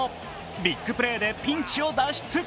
ビッグプレーでピンチを脱出。